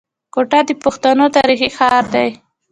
کوټه د پښتنو تاريخي ښار دی.